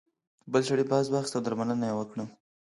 بل سړي باز واخیست او درملنه یې وکړه.